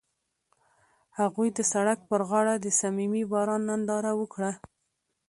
هغوی د سړک پر غاړه د صمیمي باران ننداره وکړه.